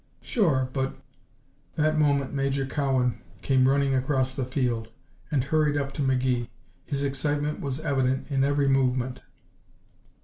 "Sure. But " That moment Major Cowan came running across the field and hurried up to McGee. His excitement was evident in every movement.